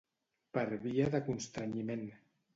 Per via de constrenyiment.